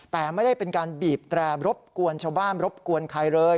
แต่ไม่ได้เป็นการบีบแตรรบกวนชาวบ้านรบกวนใครเลย